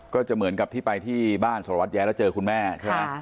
ก็จะเหมือนกับที่ไปที่บ้านสารวัตรแย้แล้วเจอคุณแม่ใช่ไหม